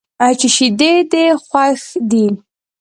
چې شیدې دې خوښ دي.